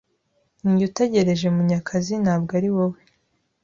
Ninjye utegereje Munyakazi, ntabwo ari wowe.